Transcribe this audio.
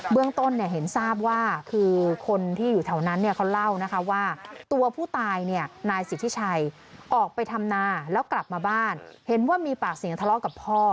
เรื่องต้นเห็นทราบว่าคือคนที่อยู่แถวนั้นเนี่ยเขาเล่านะคะว่าตัวผู้ตายเนี่ยนายสิทธิชัยออกไปทำนาแล้วกลับมาบ้านเห็นว่ามีปากเสียงทะเลาะกับพ่อ